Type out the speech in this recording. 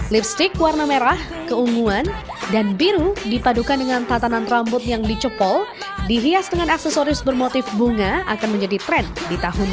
lipstick warna merah keunguan dan biru dipadukan dengan tatanan rambut yang dicepol dihias dengan aksesoris bermotif bunga akan menjadi tren di tahun dua ribu dua puluh